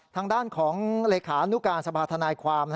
ทางด้านของเลขานุการสภาธนายความ